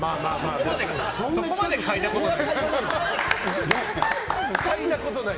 そこまで嗅いだことないから。